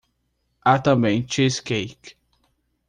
Há também cheesecake